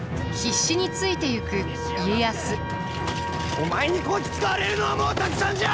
お前にこき使われるのはもうたくさんじゃ！